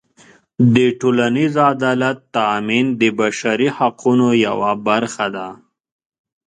د ټولنیز عدالت تأمین د بشري حقونو یوه برخه ده.